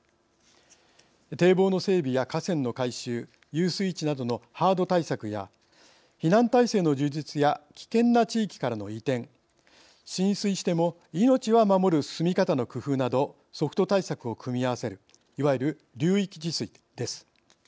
堤防の整備や河川の改修遊水地などのハード対策や避難態勢の充実や危険な地域からの移転浸水しても命は守る住み方の工夫などソフト対策を組み合わせるいわゆる流域治水です。